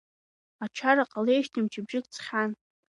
Ачара ҟалеижьҭеи мчыбжыьк ҵхьан.